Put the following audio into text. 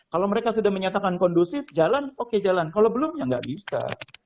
kalau mereka sudah menyatakan kondusif jalan oke jalan kalau belum ya nggak bisa